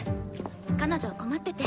彼女困ってて。